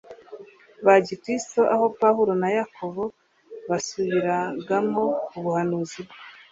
bya gikristo aho Pawulo na Yakobo basubiragamo ubuhanuzi bwo